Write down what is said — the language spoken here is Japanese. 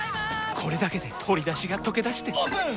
これだけで鶏だしがとけだしてオープン！